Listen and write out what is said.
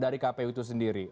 dari kpu itu sendiri